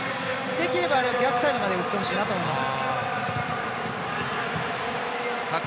できれば、あれ、逆サイドまで打ってほしいなと思います。